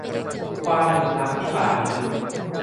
ความเหลื่อมล้ำที่บาดลึก